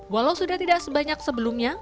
walau sudah tidak sebanyak sebelumnya